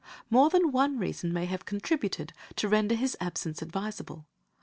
More than one reason may have contributed to render his absence advisable.